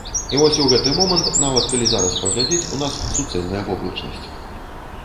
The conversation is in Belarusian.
І вось у гэты момант, нават калі зараз паглядзець, у нас суцэльная воблачнасць.